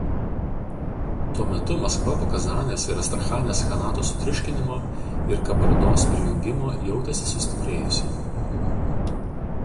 Tuo metu Maskva po Kazanės ir Astrachanės chanatų sutriuškinimo ir Kabardos prijungimo jautėsi sustiprėjusi.